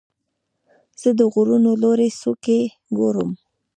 زه د غرونو لوړې څوکې ګورم.